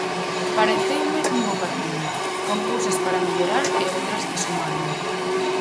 Pareceume un bo partido, con cousas para mellorar e outras que sumaron.